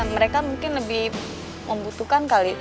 mereka mungkin lebih membutuhkan kali